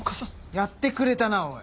やってくれたなおい。